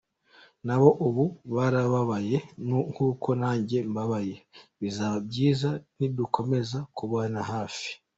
Nabo ubu barababaye nk’uko nanjye mbabaye, bizaba byiza nidukomeza kubana hafi.